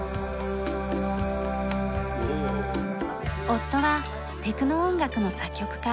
夫はテクノ音楽の作曲家。